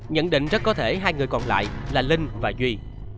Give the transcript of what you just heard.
nhận định rất có thể hai người còn lại là linh và duy